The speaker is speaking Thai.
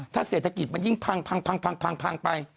ถ้าเศรษฐกิจมันยิ่งพังไป